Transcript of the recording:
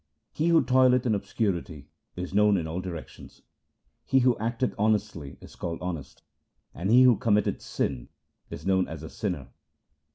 1 He who toileth in obscurity is known in all directions ; He who acteth honestly is called honest, and he who committeth sin is known as a sinner.